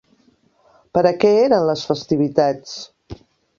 Per a què eren les festivitats?